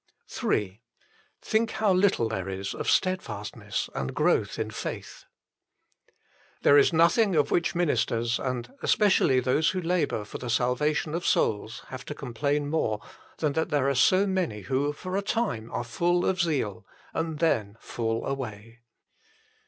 Ill Think how little there is of steadfastness and growth in faith, There is nothing of which ministers, and especially those who labour for the salvation of souls, have to complain more than that there are so many who for a time are full of zeal and then fall away.